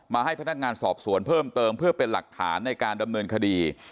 ให้พนักงานสอบสวนเพิ่มเติมเพื่อเป็นหลักฐานในการดำเนินคดี